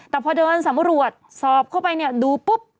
แต่พอเดินสำรวจสอบเข้าไปเนี่ยดูปุ๊บ